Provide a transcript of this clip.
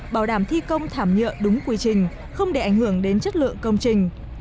bảo đảm thi công thảm nhựa đúng quy trình không để ảnh hưởng đến chất lượng công trình